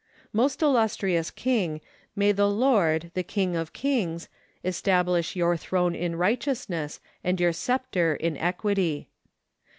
Most illustrious King, may the Lord, the King of kings, establish your throne in righteousness and your sceptre in equity.